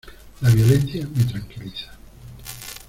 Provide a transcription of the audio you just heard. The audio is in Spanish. La violencia me tranquiliza.